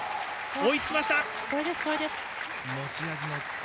追いつきました！